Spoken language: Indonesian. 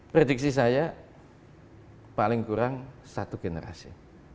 prediksi saya paling kurang satu generasi